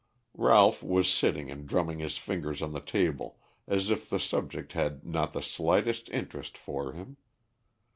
Ralph was sitting and drumming his fingers on the table as if the subject had not the slightest interest for him.